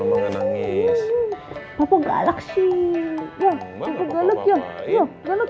ya cukup galuk ya